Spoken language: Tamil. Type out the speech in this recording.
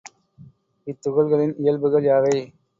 இத்துகள்களின் இயல்புகள் யாவை?